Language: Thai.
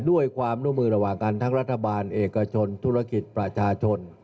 ด้วยความร่วมมือระหว่างกันทั้งรัฐบาลเอกชนธุรกิจประชาชน